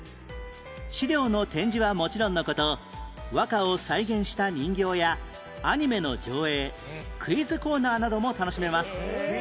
資料の展示はもちろんの事和歌を再現した人形やアニメの上映クイズコーナーなども楽しめます